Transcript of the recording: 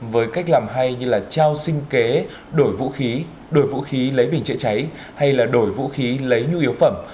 với cách làm hay như trao sinh kế đổi vũ khí đổi vũ khí lấy bình chữa cháy hay đổi vũ khí lấy nhu yếu phẩm